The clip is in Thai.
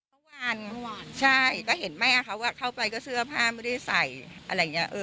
เมื่อวานเมื่อวานใช่ก็เห็นไม่อ่ะเขาว่าเข้าไปก็เสื้อผ้าไม่ได้ใส่อะไรอย่างเงี้ย